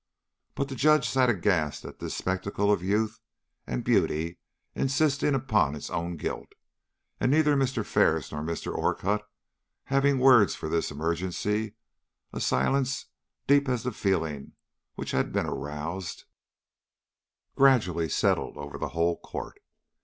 But the Judge sat aghast at this spectacle of youth and beauty insisting upon its own guilt, and neither Mr. Ferris nor Mr. Orcutt having words for this emergency, a silence, deep as the feeling which had been aroused, gradually settled over the whole court.